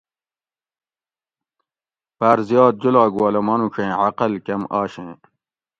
باۤر زیات جولاگ والہ مانُوڄیں عقل کم آشیں